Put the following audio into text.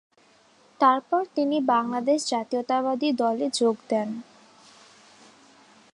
তারপর তিনি বাংলাদেশ জাতীয়তাবাদী দলে যোগ দেন।